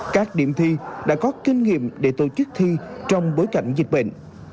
các điểm thi đã có kinh nghiệm để tổ chức thi trong bối cảnh dịch bệnh